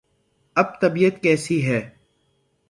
اب طبیعت کیسی ہے؟